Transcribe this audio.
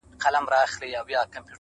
سر مي لوڅ دی پښې مي لوڅي په تن خوار یم!!